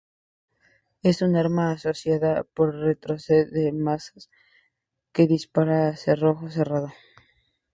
Es un arma accionada por retroceso de masas que dispara a cerrojo cerrado.